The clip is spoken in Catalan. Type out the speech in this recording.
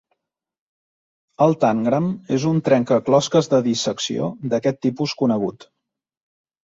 El tangram és un trencaclosques de dissecció d'aquest tipus conegut.